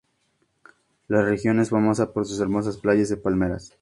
La región es famosa por sus hermosas playas de palmeras.